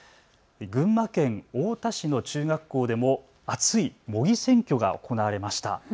群馬県太田市の中学校でも熱い模擬選挙が行われました。